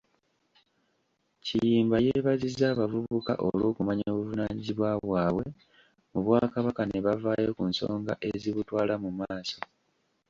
Kiyimba yeebazizza abavubuka olw'okumanya obuvunaanyizibwa bwabwe mu Bwakabaka ne bavaayo ku nsonga ezibutwala mu maaso.